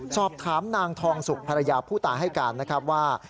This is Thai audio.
สอบถามนางทองสุกภรรยาผู้ตายให้การนะครับว่า